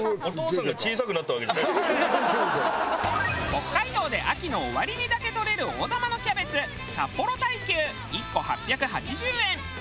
北海道で秋の終わりにだけとれる大玉のキャベツ札幌大球１個８８０円。